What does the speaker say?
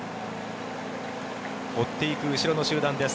追っていく後ろの集団です。